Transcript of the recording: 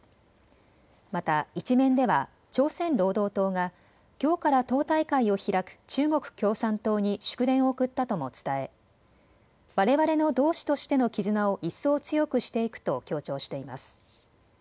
また１面では朝鮮労働党がきょうから党大会を開く中国共産党に祝電を送ったとも伝えわれわれの同志としての絆を一層強くしていくと強調しています。